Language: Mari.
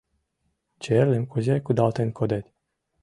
Черлым кузе кудалтен кодет.